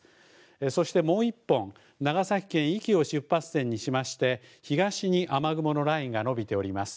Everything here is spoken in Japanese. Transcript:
そしてもう１本、長崎県壱岐を出発点にしまして、東に雨雲のラインが延びております。